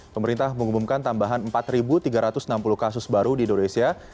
pemerintah mengumumkan tambahan empat tiga ratus enam puluh kasus baru di indonesia